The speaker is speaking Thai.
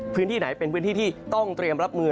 พื้นที่ไหนเป็นพื้นที่ที่ต้องเตรียมรับมือ